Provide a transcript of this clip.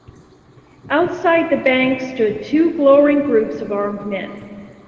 Outside the bank stood two glowering groups of armed men.